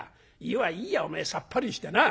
湯はいいよおめえさっぱりしてな」。